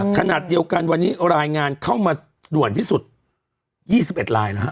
ขณะเดียวกันวันนี้รายงานเข้ามาด่วนที่สุด๒๑ลายนะฮะ